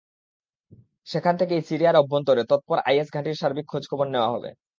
সেখান থেকেই সিরিয়ার অভ্যন্তরে তৎপর আইএস ঘাঁটির সার্বিক খোঁজখবর নেওয়া হবে।